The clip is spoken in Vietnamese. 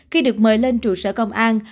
khi được mời lên trụ sở công an